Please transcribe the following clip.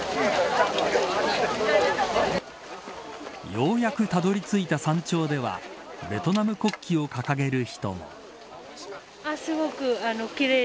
ようやくたどり着いた山頂ではベトナム国旗を掲げる人も。